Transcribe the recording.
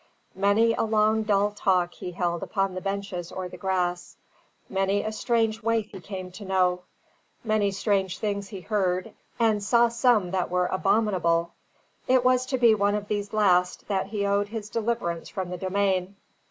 Many a long dull talk he held upon the benches or the grass; many a strange waif he came to know; many strange things he heard, and saw some that were abominable. It was to one of these last that he owed his deliverance from the Domain.